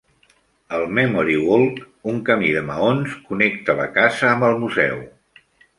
El Memory Walk, un camí de maons, connecta la casa amb el museu.